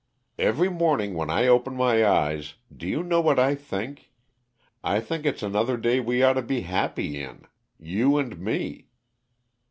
Every morning when I open my eyes do you know what I think? I think it's another day we oughta be happy in, you and me."